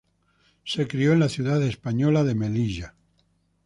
Se crio en la ciudad española de Melilla.